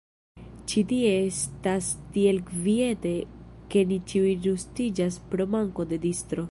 Ĉi tie estas tiel kviete ke ni ĉiuj rustiĝas pro manko de distro.